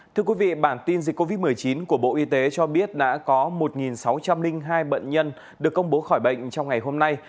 thưa quý vị bản tin dịch covid một mươi chín của bộ y tế cho biết đã có một sáu trăm linh hai bệnh nhân được công bố khỏi bệnh trong ngày hôm nay